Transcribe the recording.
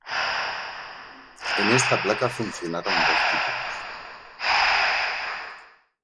En esta placa funcionaron dos títulos.